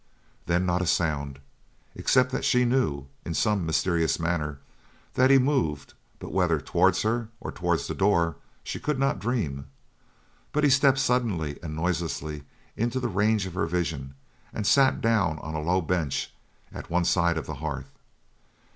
Then not a sound, except that she knew, in some mysterious manner, that he moved, but whether towards her or towards the door she could not dream. But he stepped suddenly and noiselessly into the range of her vision and sat down on a low bench at one side of the hearth.